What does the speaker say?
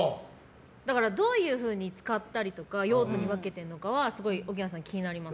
だからどういうふうに使ったりとか用途で分けているのかはすごい、奥菜さん気になります。